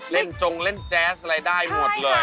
จงเล่นแจ๊สอะไรได้หมดเลย